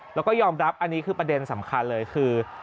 แล้วก็ยอมรับอันนี้คือประเด็นสำคัญเลยคือ